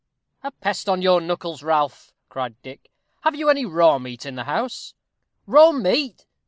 "A pest on your knuckles, Ralph," cried Dick; "have you any raw meat in the house?" "Raw meat!"